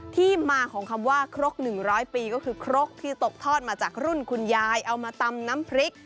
ที่มาของคำว่าครก๑๐๐ปีก็คือครกที่ตกทอดมาจากรุ่นคุณยายเอามาตำน้ำพริก